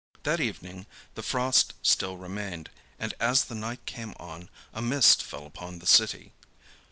That evening the frost still remained, and as the night came on a mist fell upon the city.